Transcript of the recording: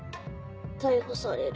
逮捕される。